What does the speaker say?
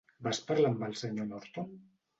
Vas parlar amb el Sr. Norton?